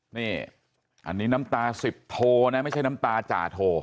นี่อันนี้น้ำตาสิบโทนะไม่ใช่น้ำตาจ่าโท